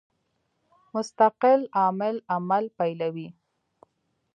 مستقل عامل عمل پیلوي.